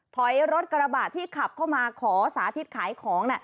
ถอยรถกระบะที่ขับเข้ามาขอสาธิตขายของ